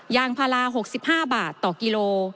ยางพารา๖๕บาทต่อกิโล